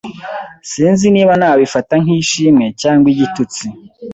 Sinzi niba nabifata nk'ishimwe cyangwa igitutsi.